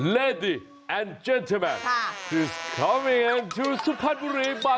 อยากจะให้คุณชนะเชิญทุกวันทั้งสองเที่ยวให้มาวัดแห่งนี้ค่ะ